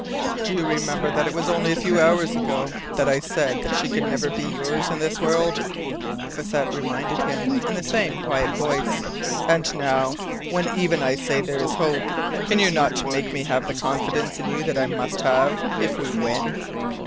"Do you remember that it was only a few hours ago that I said she could never be yours in this world?" Croisset reminded him, in the same quiet voice. "And now, when even I say there is hope, can you not make me have the confidence in you that I must have if we win?"